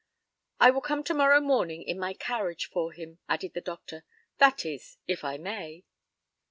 "I will come to morrow morning in my carriage for him," added the doctor. "That is, if I may."